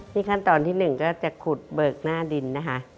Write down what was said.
นี่ขั้นตอนที่๑ก็จะขุดเบิกหน้าดินนะคะ